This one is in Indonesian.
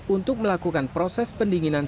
untuk melakukan proses pendinginan